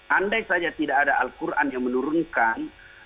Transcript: andai saja tidak ada al quran yang menurunkan